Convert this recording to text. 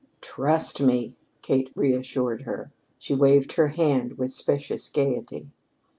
"Trust me!" Kate reassured her. She waved her hand with specious gayety.